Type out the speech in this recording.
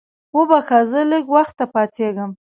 وبخښه زه لږ وخته پاڅېږم.